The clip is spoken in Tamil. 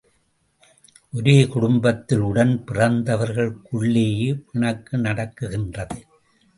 ஒரே குடும்பத்தில் உடன் பிறந்தவர்களுக்குள்ளேயே பிணக்கு நடக்கின்றதே!